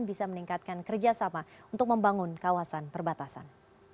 bisa meningkatkan kerjasama untuk membangun kawasan perbatasan